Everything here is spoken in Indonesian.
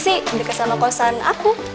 sih berkesan sama kosan apu